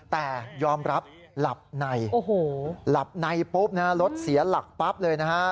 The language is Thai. แต่ยอมรับหลับในหลับในปุ๊บนะฮะรถเสียหลักปั๊บเลยนะฮะ